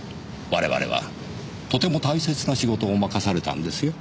我々はとても大切な仕事を任されたんですよ。